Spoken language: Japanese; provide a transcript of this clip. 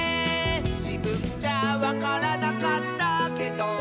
「じぶんじゃわからなかったけど」